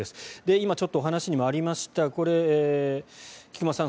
今ちょっとお話にもありました菊間さん